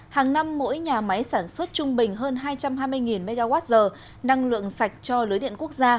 hàng năm mỗi nhà máy sản xuất trung bình hơn hai trăm hai mươi mwh năng lượng sạch cho lưới điện quốc gia